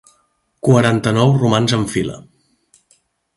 Quaranta-nou romans en fila.